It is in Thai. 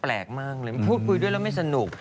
แปลกมากเลยพูดคุยด้วยแล้วไม่สนุก